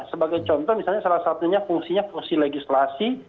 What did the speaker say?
sebagai contoh misalnya salah satunya fungsinya fungsi legislasi